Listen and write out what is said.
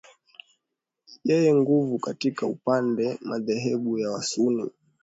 yenye nguvu katika upande madhehebu ya wasunni